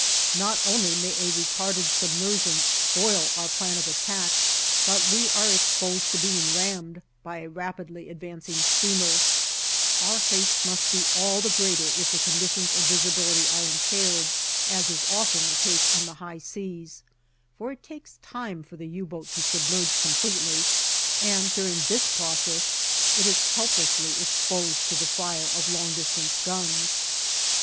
Not only may a retarded submersion spoil our plan of attack, but we are exposed to being rammed by a rapidly advancing steamer; our haste must be all the greater if the conditions of visibility are impaired, as is often the case on the high seas, for it takes time for the U boat to submerge completely, and during this process it is helplessly exposed to the fire of long distance guns.